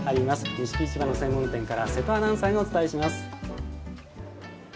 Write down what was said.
錦市場の専門店から瀬戸アナウンサーがお伝えします。